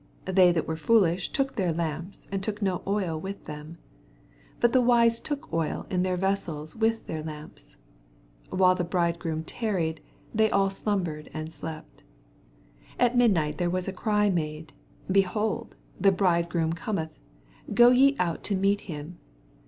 8 They that wtre foolish took their lamps, and took no oil with them : 4 Bat the wise took oil in their ▼easels with their lamps. 6 While the brideffroom tarried, thej all slumbered and slept. 6 And at midnight there was a cry made, Behold, the bridegroom oom eth ; bo ye ont to meet him.